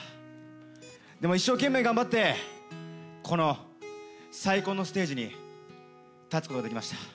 でも一生懸命頑張ってこの最高のステージに立つことができました。